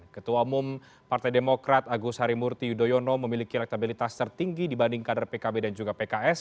ketua umum partai demokrat agus harimurti yudhoyono memiliki elektabilitas tertinggi dibanding kader pkb dan juga pks